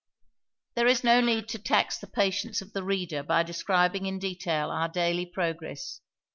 There is no need to tax the patience of the reader by describing in detail our daily progress.